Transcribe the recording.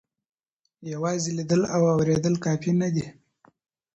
یوازې لیدل او اورېدل کافي نه دي.